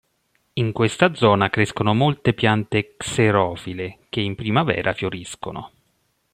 In questa zona crescono molte piante xerofile che in primavera fioriscono.